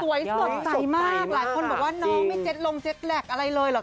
สดใสมากหลายคนบอกว่าน้องไม่เต็ดลงเจ็ตแล็กอะไรเลยหรอก